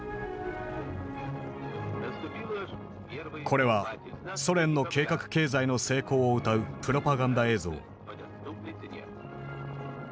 これはソ連の計画経済の成功をうたうプロパガンダ映像。